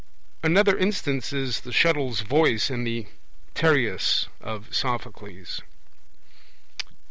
Another instance is the 'shuttle's voice' in the Tereus of Sophocles.